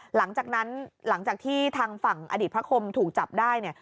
หลังจากที่ทางฝั่งอดีตพระคมถูกจับได้เนี่ย